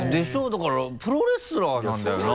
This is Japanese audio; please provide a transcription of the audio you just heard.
だからプロレスラーなんだよな。